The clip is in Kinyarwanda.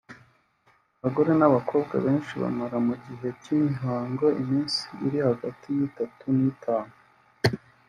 Abagore n’abakobwa benshi bamara mu gihe cy’imihango iminsi iri hagati y’itatu n’itanu